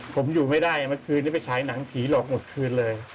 ผมอยู่ไม่ได้เมื่อคืนนี้ไปฉายหนังผีหลอกหมดคืนเลย